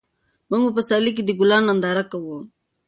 موږ په پسرلي کې د ګلانو ننداره کوو.